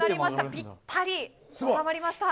ぴったり収まりました。